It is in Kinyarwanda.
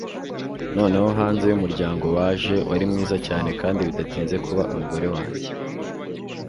noneho hanze yumuryango waje, wari mwiza cyane kandi bidatinze kuba umugore wanjye